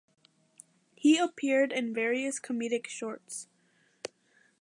He appeared in various comedic shorts.